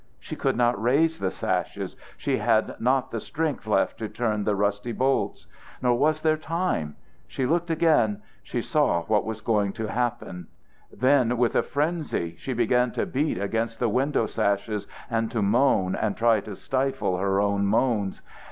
She could not raise the sashes. She had not the strength left to turn the rusty bolts. Nor was there time. She looked again; she saw what was going to happen. Then with frenzy she began to beat against the window sashes and to moan and try to stifle her own moans.